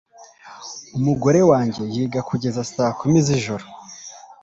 Umugore wanjye yiga kugeza saa kumi z'ijoro